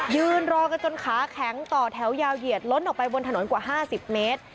ยืนรอกันจนขาแข็งต่อแถวยาวเหยียดล้นออกไปบนถนนกว่า๕๐เมตร